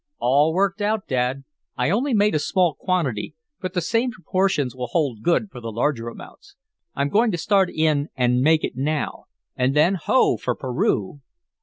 "All worked out, Dad. I only made a small quantity, but the same proportions will hold good for the larger amounts. I'm going to start in and make it now. And then Ho! for Peru!"